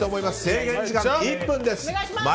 制限時間１分です。